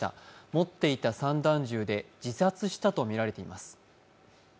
持っていた散弾銃で自殺したとみられています。